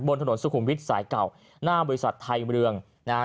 บนถนนสุขุมวิทย์สายเก่าหน้าบริษัทไทยเมืองนะฮะ